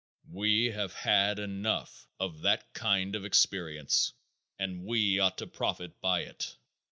We have had enough of that kind of experience and we ought to profit by it.